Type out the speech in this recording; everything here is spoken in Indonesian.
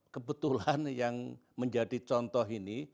kebetulan yang menjadi contoh ini